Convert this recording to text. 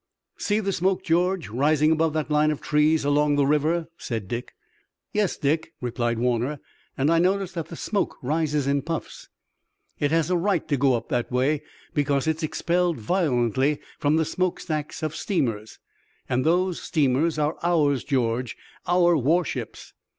"See the smoke, George, rising above that line of trees along the river?" said Dick. "Yes, Dick," replied Warner, "and I notice that the smoke rises in puffs." "It has a right to go up that way, because it's expelled violently from the smoke stacks of steamers. And those steamers are ours, George, our warships.